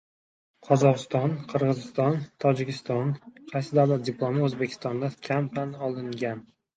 Qozog‘iston, Qirg‘iziston, Tojikiston — qaysi davlat diplomi O‘zbekistonda kam tan olingan?